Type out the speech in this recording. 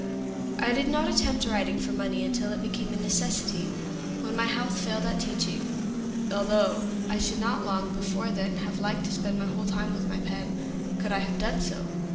I did not attempt writing for money until it became a necessity, when my health failed at teaching, although I should long before then have liked to spend my whole time with my pen, could I have done so.